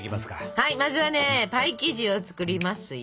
はいまずはねパイ生地を作りますよ。